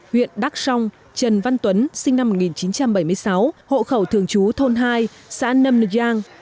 huyện đắk song trần văn tuấn sinh năm một nghìn chín trăm bảy mươi sáu hộ khẩu thường chú thôn hai xã nâm nực giang